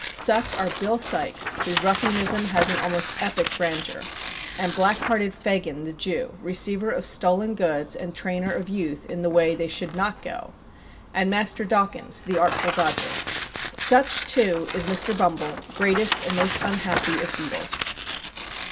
Such are Bill Sikes, whose ruffianism has an almost epic grandeur; and black hearted Fagin, the Jew, receiver of stolen goods and trainer of youth in the way they should not go; and Master Dawkins, the Artful Dodger. Such, too, is Mr. Bumble, greatest and most unhappy of beadles.